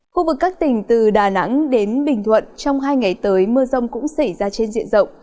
khu vực các tỉnh từ đà nẵng đến bình thuận trong hai ngày tới mưa rông cũng xảy ra trên diện rộng